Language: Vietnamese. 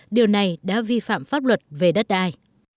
điều này đã vi phạm pháp luật về đất đai